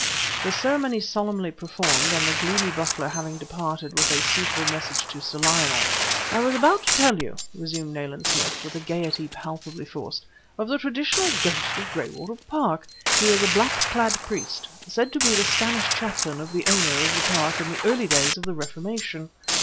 The ceremony solemnly performed and the gloomy butler having departed with a suitable message to Sir Lionel "I was about to tell you," resumed Nayland Smith, with a gaiety palpably forced, "of the traditional ghost of Graywater Park. He is a black clad priest, said to be the Spanish chaplain of the owner of the Park in the early days of the Reformation.